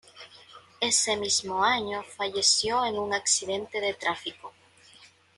Ese mismo año falleció en un accidente de tráfico